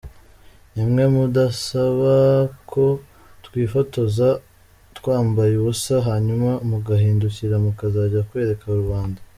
Ni mwe mudusaba ko twifotoza twambaye ubusa hanyuma mugahindukira mukajya kwereka rubanda.